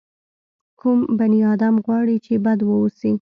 کوم بني ادم غواړي چې بد واوسي.